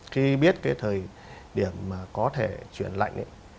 khi biết thời điểm có thể chuyển lạnh